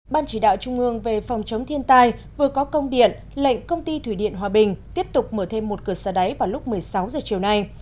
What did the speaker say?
ban chỉ đạo trung ương về phòng chống thiên tai vừa có công điện lệnh công ty thủy điện hòa bình tiếp tục mở thêm một cửa xa đáy vào lúc một mươi sáu h chiều nay